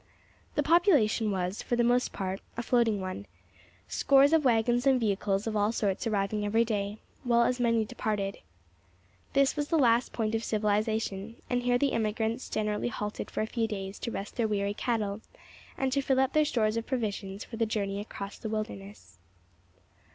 The population was, for the most part, a floating one, scores of waggons and vehicles of all sorts arriving every day, while as many departed. This was the last point of civilisation, and here the emigrants generally halted for a few days to rest their weary cattle, and to fill up their stores of provisions for the journey across the wilderness.